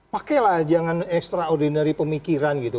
pakailah jangan extraordinary pemikiran gitu